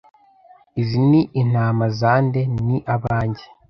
"Izi ni intama za nde?" "Ni abanjye."